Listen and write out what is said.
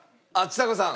ちさ子さん。